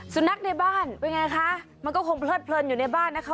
สุนัขในบ้านเป็นไงคะมันก็คงเพลิดเพลินอยู่ในบ้านนะคะ